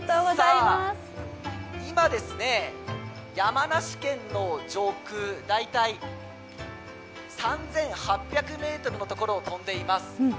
今ですね、山梨県の上空大体３８００ｍのところを飛んでいます。